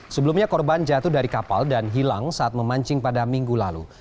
sebelumnya korban jatuh dari kapal dan hilang saat memancing pada minggu lalu